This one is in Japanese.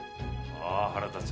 あ腹立つ。